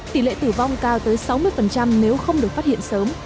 tỷ lệ tử vong cao tới sáu mươi nếu không được phát hiện sớm